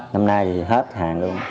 năm nay thì hết hàng luôn